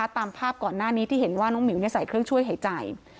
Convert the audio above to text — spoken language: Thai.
ตามภาพก่อนหน้านี้ที่เห็นว่าน้องหมิวใส่เครื่องช่วยหายใจ